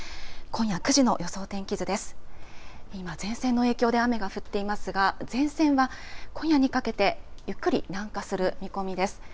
今、前線の影響で雨が降っていますが前線は今夜にかけてゆっくり南下する見込みです。